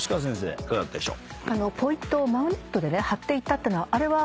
いかがだったでしょう？